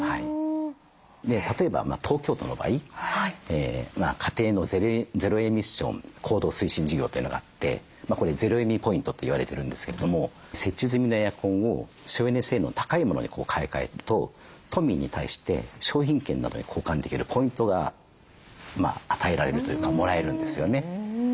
例えば東京都の場合家庭のゼロエミッション行動推進事業というのがあってこれゼロエミポイントと言われてるんですけれども設置済みのエアコンを省エネ性能の高いものに買い替えると都民に対して商品券などに交換できるポイントが与えられるというかもらえるんですよね。